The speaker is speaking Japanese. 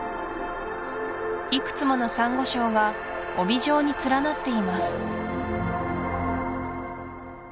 いくつものサンゴ礁が帯状に連なっています